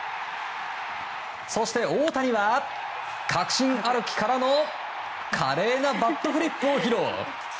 そして大谷は確信歩きからの華麗なバットフリップを披露。